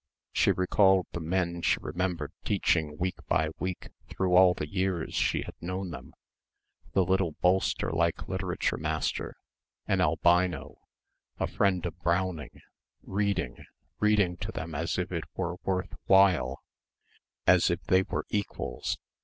She recalled the men she remembered teaching week by week through all the years she had known them ... the little bolster like literature master, an albino, a friend of Browning, reading, reading to them as if it were worth while, as if they were equals